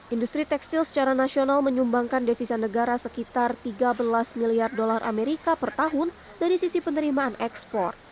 industri tekstil secara nasional menyumbangkan devisa negara sekitar tiga belas miliar dolar amerika per tahun dari sisi penerimaan ekspor